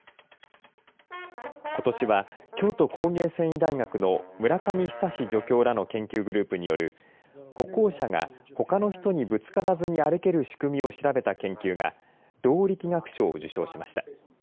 ことしは京都工芸繊維大学の村上久助教らの研究グループによる、歩行者がほかの人にぶつからずに歩ける仕組みを調べた研究が、動力学賞を受賞しました。